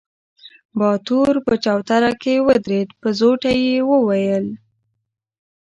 باتور په چوتره کې ودرېد، په زوټه يې وويل: